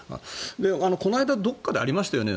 この間どこかでありましたよね。